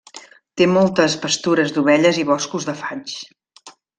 Té moltes pastures d'ovelles i boscos de faigs.